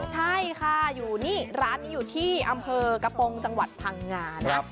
ใช่ค่ะร้านนี้อยู่ที่อำเภอกระปงจังหวัดภังงานะ